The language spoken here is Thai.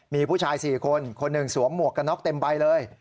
มีผู้ชาย๔คนคนหนึ่งสวมหมวกกันน็อกเต็มใบเลย